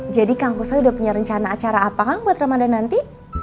jadi kang kusoy udah punya rencana acara apa kan buat ramadhan nanti